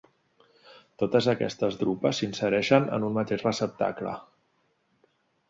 Totes aquestes drupes s'insereixen en un mateix receptacle.